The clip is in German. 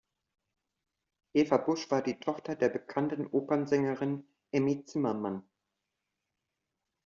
Eva Busch war die Tochter der bekannten Opernsängerin Emmy Zimmermann.